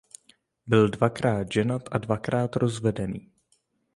Byl dvakrát ženat a dvakrát rozvedený.